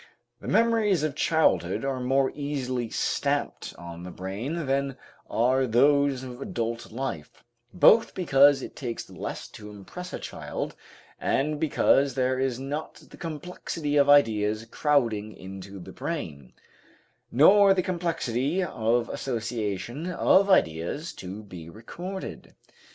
The memories of childhood are more easily stamped on the brain than are those of adult life, both because it takes less to impress a child, and because there is not the complexity of ideas crowding into the brain, nor the complexity of association of ideas to be recorded.